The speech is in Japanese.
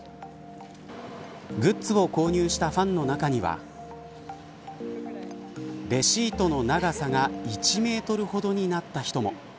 グッズを購入したファンの中にはレシートの長さが１メートルほどになった人も。